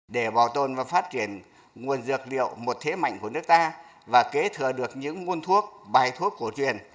để bảo tồn và phát triển nguồn dược liệu một thế mạnh của nước ta và kế thừa được những nguồn thuốc bài thuốc cổ truyền